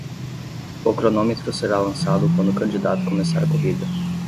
O cronômetro será lançado quando o candidato começar a corrida.